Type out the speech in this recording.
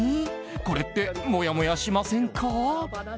これってもやもやしませんか？